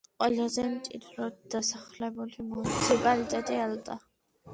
ყველაზე მჭიდროდ დასახლებული მუნიციპალიტეტი ალტა.